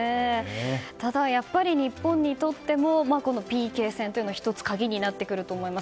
ただ、日本にとってもＰＫ戦というのが１つ、鍵になってくると思います。